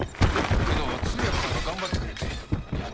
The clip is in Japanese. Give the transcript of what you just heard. けど通訳さんが頑張ってくれてやっと自白してさ。